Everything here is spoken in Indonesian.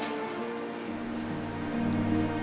aku bisa lebih tenang